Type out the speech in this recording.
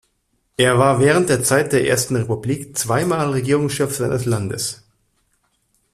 Er war während der Zeit der ersten Republik zweimal Regierungschef seines Landes.